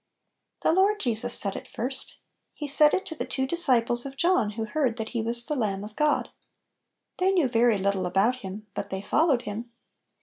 THE Lord Jesus said it first He said it to the two disciples of John who heard that He was the Lamb of God. They knew very little about Him, but they followed Him.